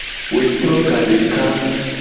Wetro gadeka.